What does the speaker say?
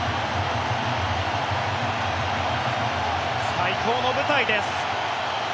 最高の舞台です。